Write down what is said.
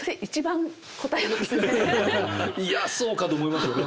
いやそうかと思いますよね。